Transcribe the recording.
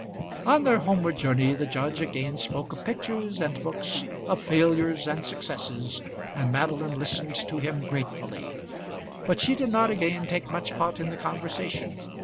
On their homeward journey the judge again spoke of pictures and books, of failures and successes, and Madeline listened to him gratefully. But she did not again take much part in the conversation.